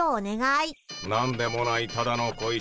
「何でもないただの小石」